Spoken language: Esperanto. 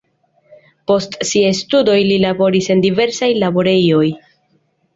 Post siaj studoj li laboris en diversaj laborejoj.